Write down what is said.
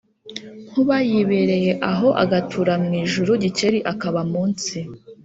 Nkuba yibereye aho agatura mu ijuru, Gikeli akaba mu nsi